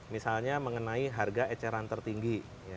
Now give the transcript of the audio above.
misalnya mengenai harga eceran tertinggi